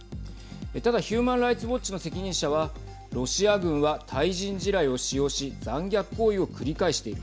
ただ、ヒューマン・ライツ・ウォッチの責任者はロシア軍は対人地雷を使用し残虐行為を繰り返している。